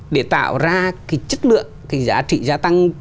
để tạo ra cái chất lượng cái giá trị gia tăng